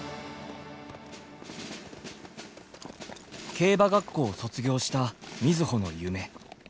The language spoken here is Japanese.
競馬学校を卒業した瑞穂の夢。